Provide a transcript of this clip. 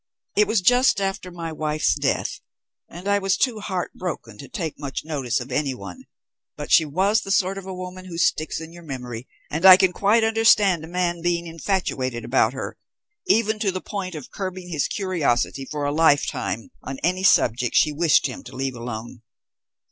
It was just after my wife's death, and I was too heart broken to take much notice of anyone, but she was the sort of woman who sticks in your memory, and I can quite understand a man being infatuated about her, even to the point of curbing his curiosity for a lifetime on any subject she wished him to leave alone.